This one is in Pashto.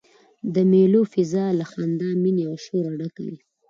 د مېلو فضاء له خندا، میني او شوره ډکه يي.